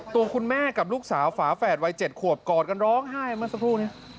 ตัวคุณแม่กับลูกสาวฝาแฝดวัย๗ขวบกอดกันร้องไห้เมื่อสักครู่นี้